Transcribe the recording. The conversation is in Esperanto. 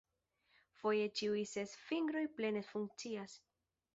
Foje ĉiuj ses fingroj plene funkcias.